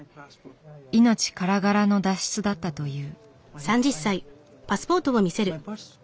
命からがらの脱出だったという。